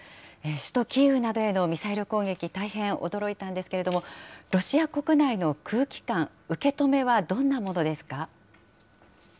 首都キーウなどへのミサイル攻撃、大変驚いたんですけれども、ロシア国内の空気感、受け止めはどんなものですか。